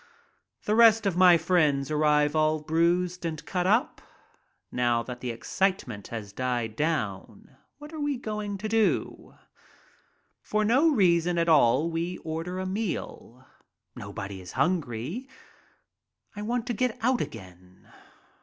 The rest of my friends arrive all bruised and cut up. Now that the excitement has died down, what are we going to do ? For no reason at all we order a meal. Nobody is hungry. I want to get out again.